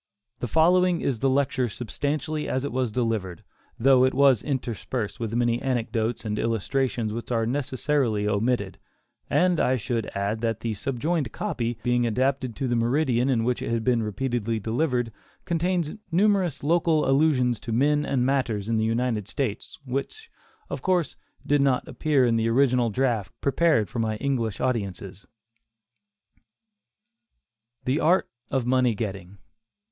The following is the lecture substantially as it was delivered, though it was interspersed with many anecdotes and illustrations which are necessarily omitted; and I should add, that the subjoined copy being adapted to the meridian in which it has been repeatedly delivered, contains numerous local allusions to men and matters in the United States, which, of course, did not appear in the original draft prepared for my English audiences: THE ART OF MONEY GETTING.